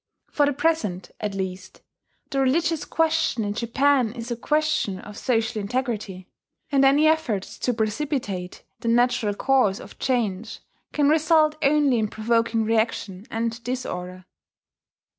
For the present, at least, the religious question in Japan is a question of social integrity; and any efforts to precipitate the natural course of change can result only in provoking reaction and disorder.